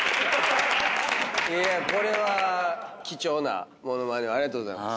これは貴重なものまねをありがとうございます。